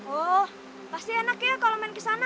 oh pasti enak ya kalau main ke sana